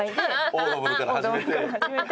オードブルから始めて。